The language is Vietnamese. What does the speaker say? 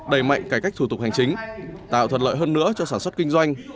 đầy mạnh cải cách thủ tục hành chính tạo thuật lợi hơn nữa cho sản xuất kinh doanh